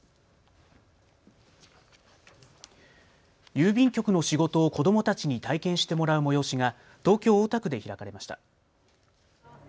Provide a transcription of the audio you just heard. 郵便局の仕事を子どもたちに体験してもらう催しが東京大田区で開かれました。